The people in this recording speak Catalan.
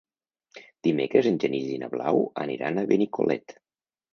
Dimecres en Genís i na Blau aniran a Benicolet.